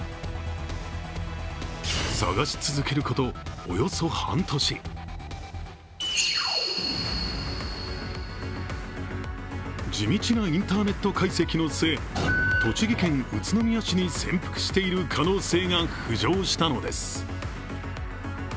捜し続けることおよそ半年地道なインターネット解析の末、栃木県宇都宮市に潜伏している可能性が浮上したのです。